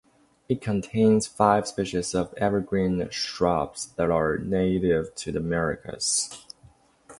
It contains five species of evergreen shrubs that are native to the Americas.